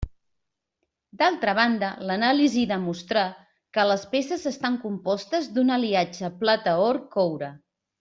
D'altra banda, l'anàlisi demostrà que les peces estan compostes d'un aliatge plata-or-coure.